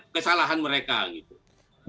kesalahan mereka gitu